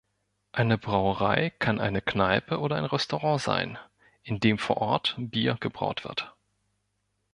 Eine Brauerei kann eine Kneipe oder ein Restaurant sein, in dem vor Ort Bier gebraut wird.